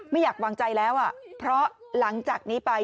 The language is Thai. ไม่อยากวางใจแล้วเพราะหลังจากนี้ไป